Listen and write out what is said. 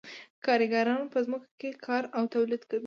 کارګران په ځمکو کې کار او تولید کوي